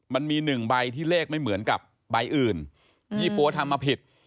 มันมีหนึ่งใบที่เลขไม่เหมือนกับใบอื่นยี่ปั๊วทำมาผิด